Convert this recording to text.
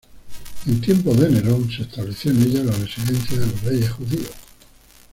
En tiempos de Nerón se estableció en ella la residencia de los reyes judíos.